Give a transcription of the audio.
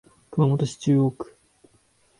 熊本市中央区